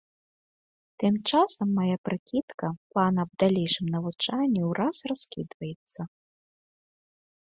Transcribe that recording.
Тым часам мая прыкідка, план аб далейшым навучанні ўраз раскідваецца.